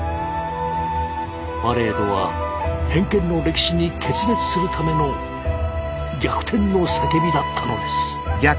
パレードは偏見の歴史に決別するための逆転の叫びだったのです。